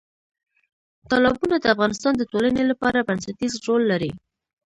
تالابونه د افغانستان د ټولنې لپاره بنسټیز رول لري.